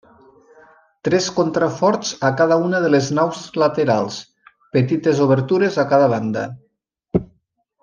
Tres contraforts a cada una de les naus laterals; Petites obertures a cada banda.